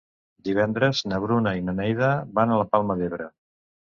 Divendres na Bruna i na Neida van a la Palma d'Ebre.